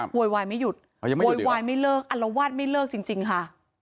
โวยวายไม่หยุดโวยวายไม่เลิกอัลวาดไม่เลิกจริงค่ะ